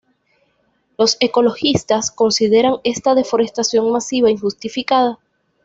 Los ecologistas consideran esta deforestación masiva injustificada.